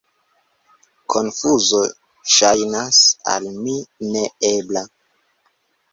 Konfuzo ŝajnas al mi ne ebla.